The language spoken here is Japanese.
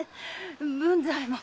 文左衛門。